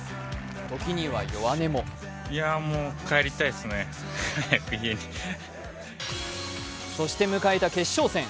時には弱音もそして迎えた決勝戦。